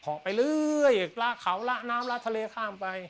ออกไปเรื่อยละเขาละน้ำละทะเลข้ามไป